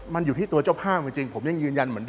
มันอยู่ที่ตัวเจ้าภาพจริง